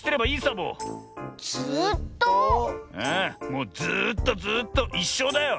もうずっとずっといっしょうだよ。